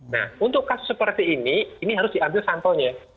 nah untuk kasus seperti ini ini harus diambil sampelnya